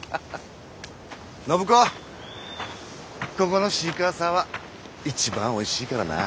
ここのシークワーサーは一番おいしいからな。